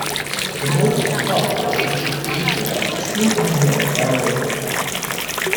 The most probable is the creation of two or more gamma ray photons.